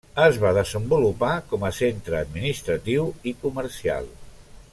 Es va desenvolupar com a centre administratiu i comercial.